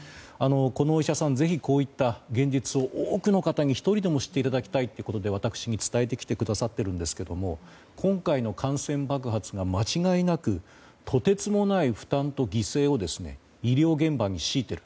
このお医者さんこういった現実を一人でも知っていただきたいということで私に伝えてくださってるんですけども今回の感染爆発が間違いないくとてつもない負担と犠牲を医療現場に強いている。